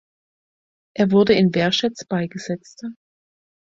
Er wurde in Werschetz beigesetzt.